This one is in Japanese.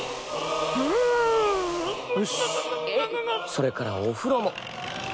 それからお風呂も。